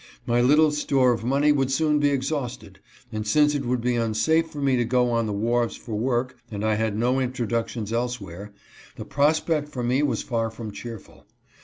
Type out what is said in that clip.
My little store of money would soon be exhausted, and since it would be unsafe for me to go on the wharves for work and I had no introductions elsewhere, the prospect for me was far from cheerful.